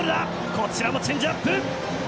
こちらもチェンジアップ！